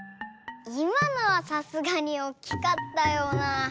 いまのはさすがにおっきかったような。